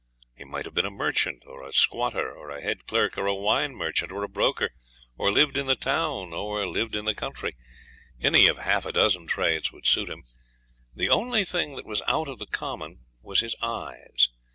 He might have been a merchant, or a squatter, or a head clerk, or a wine merchant, or a broker, or lived in the town, or lived in the country; any of half a dozen trades would suit him. The only thing that was out of the common was his eyes.